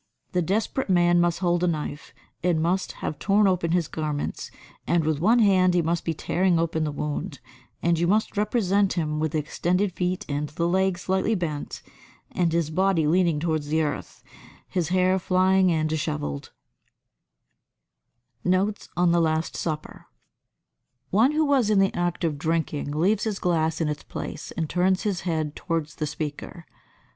92. The desperate man must hold a knife and must have torn open his garments, and with one hand he must be tearing open the wound; and you must represent him with extended feet and the legs slightly bent and his body leaning towards the earth, his hair flying and dishevelled. [Sidenote: Notes on the Last Supper] 93. One who was in the act of drinking leaves his glass in its place, and turns his head towards the speaker.